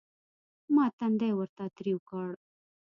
ما تندى ورته تريو کړ.